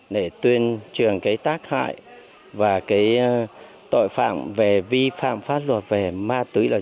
để tuyên trường tác hại và tội phạm về vi phạm pháp luật về ma túy